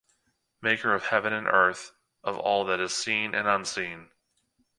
maker of heaven and earth, of all that is seen and unseen.